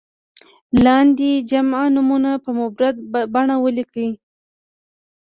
لاندې جمع نومونه په مفرد بڼه ولیکئ.